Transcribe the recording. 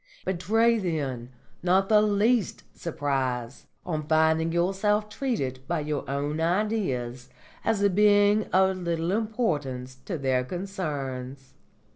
Betray, then, not the least surprise on finding yourself treated by your own Ideas as a being of little importance to their concerns.